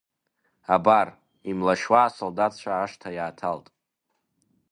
Абар, имлашьуа асолдаҭцәа ашҭа иааҭалт…